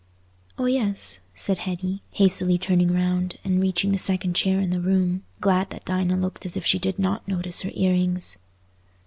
"Oh yes," said Hetty, hastily turning round and reaching the second chair in the room, glad that Dinah looked as if she did not notice her ear rings.